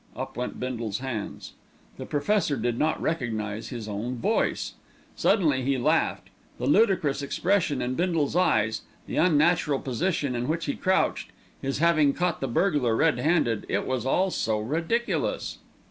Up went Bindle's hands. The Professor did not recognise his own voice. Suddenly he laughed. The ludicrous expression in Bindle's eyes, the unnatural position in which he crouched, his having caught a burglar red handed it was all so ridiculous.